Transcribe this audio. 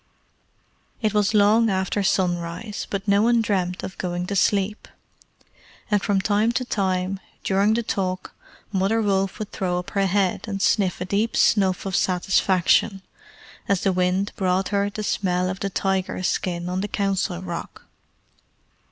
It was long after sunrise, but no one dreamed of going to sleep, and from time to time, during the talk, Mother Wolf would throw up her head, and sniff a deep snuff of satisfaction as the wind brought her the smell of the tiger skin on the Council Rock.